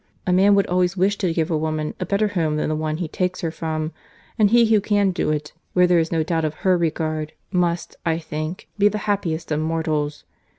—A man would always wish to give a woman a better home than the one he takes her from; and he who can do it, where there is no doubt of her regard, must, I think, be the happiest of mortals.